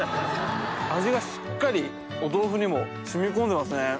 味がしっかりお豆腐にも染み込んでますね。